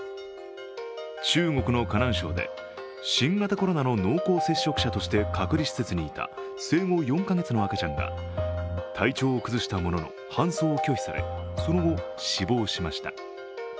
中国の河南省で新型コロナの濃厚接触者として隔離施設にいた生後４か月の赤ちゃんが体調を崩したものの搬送を拒否され、その後死亡しました。